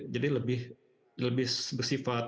jadi lebih bersifat